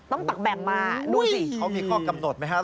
ต้องตักแบ่งมาดูสิเขามีข้อกำหนดไหมฮะ